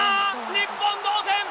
日本、同点！